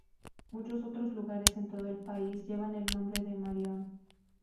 Muchos otros lugares en todo el país llevan el nombre de Marion.